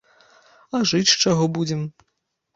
А жыць з чаго будзем?